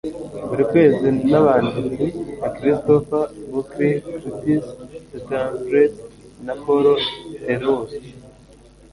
buri kwezi nabanditsi nka Christopher Buckley Curtis Sittenfeld na Paul Theroux